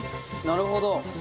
なるほど。